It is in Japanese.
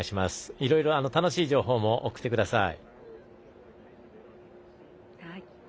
いろいろ楽しい情報も送ってください。